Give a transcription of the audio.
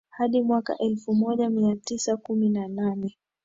hadi mwaka elfu moja mia tisa kumi na nane